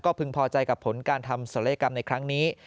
พึงพอใจกับผลการทำศัลยกรรมในครั้งนี้